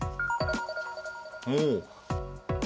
おお。